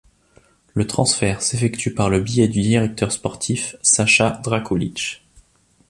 Le transfert s'effectue par le biais du directeur sportif Saša Drakulić.